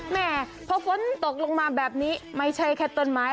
แม่พอฝนตกลงมาแบบนี้ไม่ใช่แค่ต้นไม้